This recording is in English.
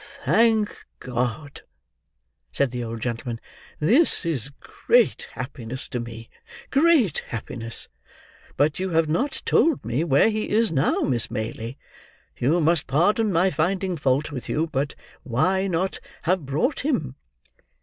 "Thank God!" said the old gentleman. "This is great happiness to me, great happiness. But you have not told me where he is now, Miss Maylie. You must pardon my finding fault with you,—but why not have brought him?"